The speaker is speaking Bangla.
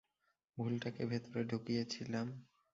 ভুলটাকে ভেতরে ঢুকিয়েছিলাম।